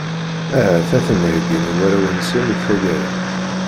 Ahat ad ten-heyyin i warraw-nsen, i tagara.